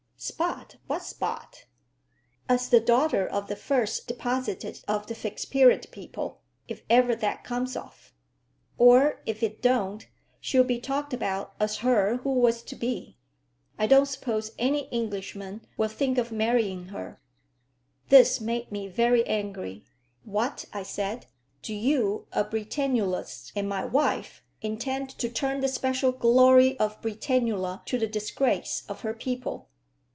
"Spot! What spot?" "As the daughter of the first deposited of the Fixed Period people, if ever that comes off. Or if it don't, she'll be talked about as her who was to be. I don't suppose any Englishman will think of marrying her." This made me very angry. "What!" I said. "Do you, a Britannulist and my wife, intend to turn the special glory of Britannula to the disgrace of her people?